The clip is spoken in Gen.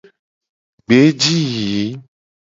Gbe ji yiyi.